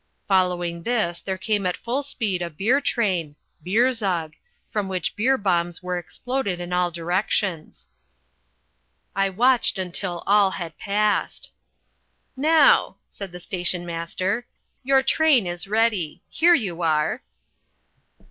Following this there came at full speed a beer train (Bier Zug) from which beer bombs were exploded in all directions. I watched till all had passed. "Now," said the station master, "your train is ready. Here you are."